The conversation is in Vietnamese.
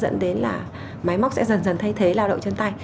dẫn đến là máy móc sẽ dần dần thay thế lao động chân tay